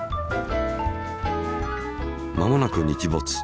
まもなく日没。